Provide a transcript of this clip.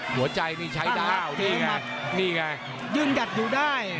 หัวใจนี่ใช้ดาวนี่ไงนี่ไงยืนกัดอยู่ได้